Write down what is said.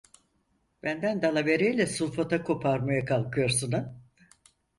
Benden dalavereyle sulfata koparmaya kalkıyorsun, ha!